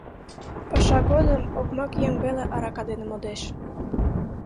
Паша годым окмак еҥ веле арака дене модеш.